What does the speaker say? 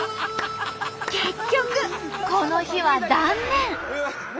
結局この日は断念。